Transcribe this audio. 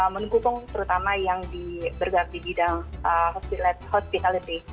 menggugung terutama yang di berganti bidang hospitality